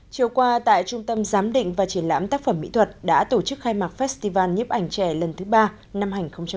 chiều qua tại trung tâm giám định và triển lãm tác phẩm mỹ thuật đã tổ chức khai mạc festival nhếp ảnh trẻ lần thứ ba năm hai nghìn một mươi chín